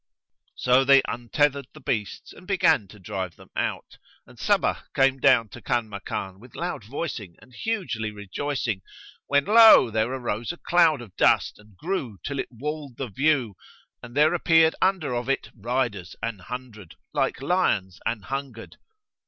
So they untethered the beasts and began to drive them out; and Sabbah came down to Kanmakan with loud voicing and hugely rejoicing; when lo! there arose a cloud of dust and grew till it walled the view, and there appeared under of it riders an hundred, like lions an hungered.